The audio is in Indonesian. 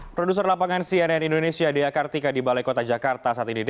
produser lapangan cnn indonesia dea kartika di balai kota jakarta saat ini